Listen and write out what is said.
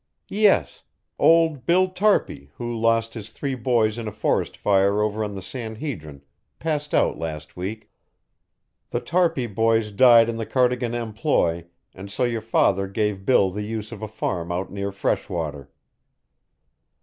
"Yes. Old Bill Tarpey, who lost his three boys in a forest fire over on the San Hedrin, passed out last week. The Tarpey boys died in the Cardigan employ, and so your father gave Bill the use of a farm out near Freshwater."